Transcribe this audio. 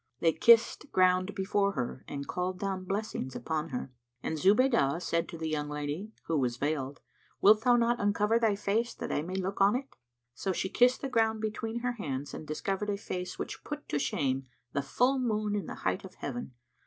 They kissed ground before her and called down blessings upon her; and Zubaydah said to the young lady (who was veiled), "Wilt thou not uncover thy face, that I may look on it?" So she kissed the ground between her hands and discovered a face which put to shame the full moon in the height of heaven.